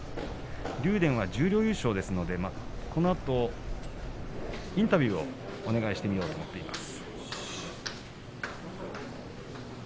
竜電は十両優勝ですのでこのあとインタビューをお願いします。